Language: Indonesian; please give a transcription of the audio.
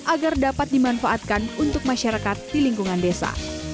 agar dapat dimanfaatkan untuk masyarakat di lingkungan desa